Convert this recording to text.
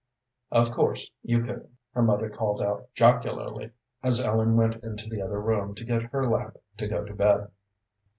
"Of course you couldn't," her mother called out jocularly, as Ellen went into the other room to get her lamp to go to bed.